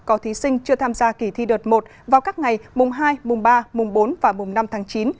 có thí sinh chưa tham gia kỳ thi đợt một vào các ngày mùng hai mùng ba mùng bốn và mùng năm tháng chín